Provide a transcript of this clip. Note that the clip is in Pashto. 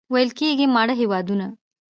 ویل کېږي ماړه هېوادونه.